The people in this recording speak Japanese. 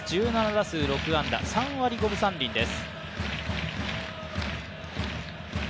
１７打数６安打、３割５分３厘です。